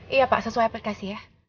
iya pak sesuai aplikasi ya